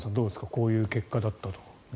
こういう結果だったという。